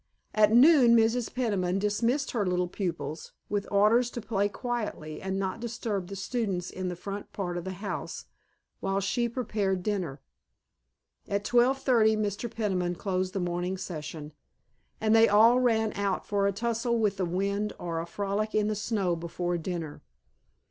At noon Mrs. Peniman dismissed her little pupils, with orders to play quietly and not disturb the students in the front part of the house, while she prepared dinner. At twelve thirty Mr. Peniman closed the morning session, and they all ran out for a tussle with the wind or a frolic in the snow before dinner.